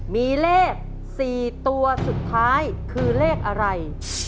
มีเลข๔ตัวสุดท้ายคือเลขอะไร